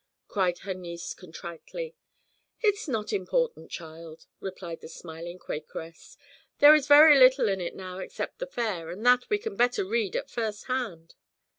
cried her niece contritely. 'It is not important, child,' replied the smiling Quakeress. 'There is very little in it now except the Fair, and that we can better read at first hand.'